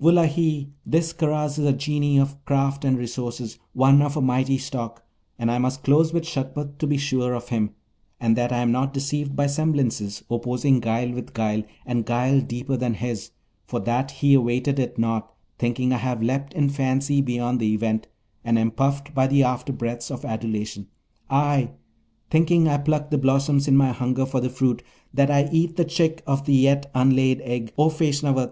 Wullahy! this Karaz is a Genie of craft and resources, one of a mighty stock, and I must close with Shagpat to be sure of him; and that I am not deceived by semblances, opposing guile with guile, and guile deeper than his, for that he awaiteth it not, thinking I have leaped in fancy beyond the Event, and am puffed by the after breaths of adulation, I! thinking I pluck the blossoms in my hunger for the fruit, that I eat the chick of the yet unlaid egg, O Feshnavat.